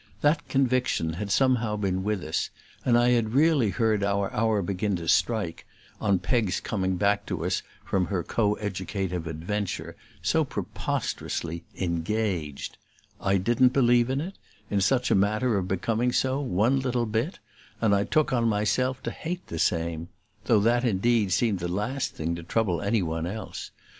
That conviction had somehow been with us, and I had really heard our hour begin to strike on Peg's coming back to us from her co educative adventure so preposterously "engaged." I didn't believe in it, in such a manner of becoming so, one little bit, and I took on myself to hate the same; though that indeed seemed the last thing to trouble any one else.